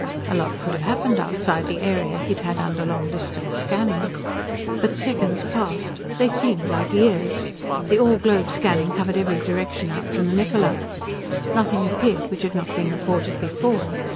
A lot could have happened outside the area he'd had under long distance scanning. But seconds passed. They seemed like years. The all globe scanning covered every direction out from the Niccola. Nothing appeared which had not been reported before.